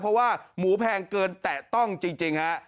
เพราะว่าหมูแพงเกินแตะต้องจริงฮะ